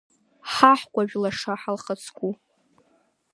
Ҳаҳкәажә лаша ҳалхаҵку!